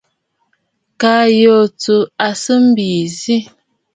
Kaa ŋù tsù à sɨ mbìì zî.